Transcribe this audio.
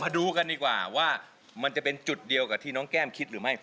ดูกันดีกว่าว่ามันจะเป็นจุดเดียวกับที่น้องแก้มคิดหรือไม่